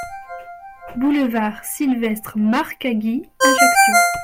Boulevard Sylvestre Marcaggi, Ajaccio